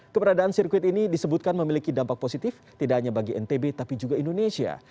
keberadaan sirkuit ini disebutkan memiliki dampak positif tidak hanya bagi ntb tapi juga indonesia